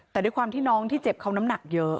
แต่ด้วยความที่น้องที่เจ็บเขาน้ำหนักเยอะ